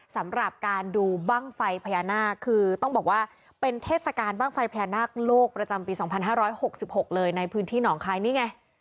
สำหรับการดูบ้างไฟพญานาคคือต้องบอกว่าเป็นเทศกาลบ้างไฟพญานาคโลกประจำปี๒๕๖๖เลยในพื้นที่หนองคายนี่ไง